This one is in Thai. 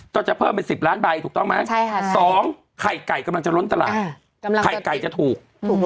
จะเพิ่มเป็น๑๐ล้านใบถูกต้องไหม๒ไข่ไก่กำลังจะล้นตลาดไข่ไก่จะถูก